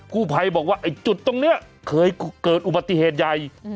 ผู้ภัยบอกว่าไอ้จุดตรงนี้เคยเกิดอุบัติเหตุใหญ่